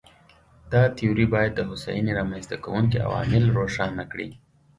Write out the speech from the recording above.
دا تیوري باید د هوساینې رامنځته کوونکي عوامل روښانه کړي.